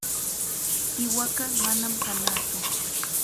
Qiwaqa manam kannatsu.